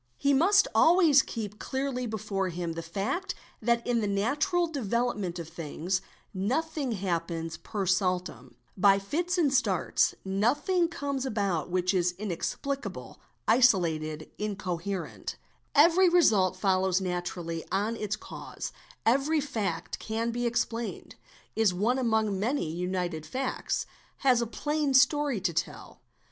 He must always keep Clearly before him the fact that in the natural development of things nothing happens per saltwm, by fits and starts, nothing comes about vhich is inexplicable, isolated, incoherent: every result follows naturally Or on its cause, every fact can be explained, is one among many united acts, has a plain story to tell.